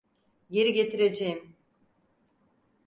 Geri getireceğim.